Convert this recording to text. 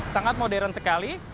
sangat modern sekali